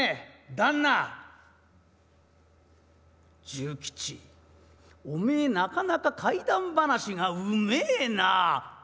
「重吉おめえなかなか怪談話がうめえな」。